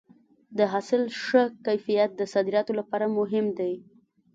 د حاصل ښه کیفیت د صادراتو لپاره مهم دی.